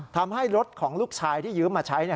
ทำให้รถของลูกชายที่ยืมมาใช้